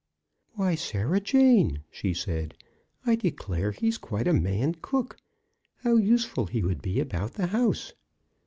"Why, Sarah Jane," she said, "I declare he's quite a man cook. How useful he would be about a house!"